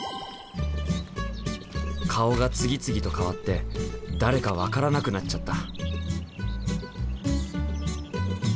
顔が次々と変わって誰か分からなくなっちゃった。